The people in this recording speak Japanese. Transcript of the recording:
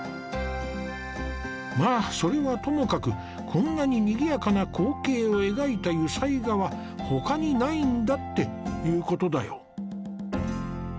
まあそれはともかくこんなににぎやかな光景を描いた油彩画は他にないんだっていうことだよ。